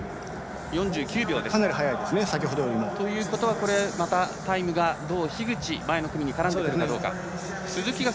かなり速いですね。ということはまたタイムが樋口が前の組に絡んでくるかどうか。